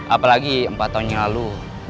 apalagi empat tahun yang lalu